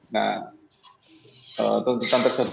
nah tuntutan tersebut